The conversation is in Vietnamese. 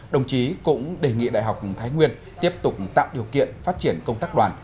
đồng chí cũng đề nghị đại học thái nguyên tiếp tục tạo điều kiện phát triển công tác đoàn